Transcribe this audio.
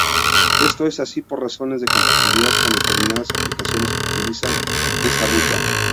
Esto es así por razones de compatibilidad con determinadas aplicaciones que utilizan esa ruta.